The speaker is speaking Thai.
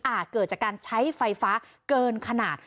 เกิดจากการใช้ไฟฟ้าเกินขนาด